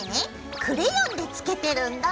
クレヨンでつけてるんだ。